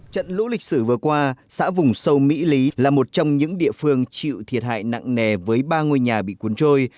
trận lũ lịch sử vừa qua xã vùng sâu mỹ lý là một trong những địa phương chịu thiệt hại nặng nề với ba ngôi nhà bị cuốn trôi